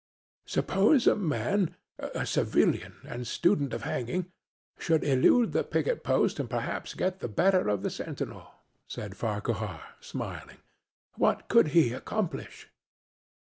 "Suppose a man a civilian and student of hanging should elude the picket post and perhaps get the better of the sentinel," said Farquhar, smiling, "what could he accomplish?"